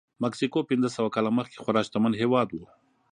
مکسیکو پنځه سوه کاله مخکې خورا شتمن هېواد و.